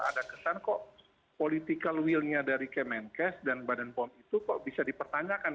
ada kesan kok political will nya dari kemenkes dan badan pom itu kok bisa dipertanyakan